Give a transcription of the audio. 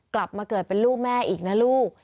กลับมาเกิดเป็นลูกแม่อีกนะลูก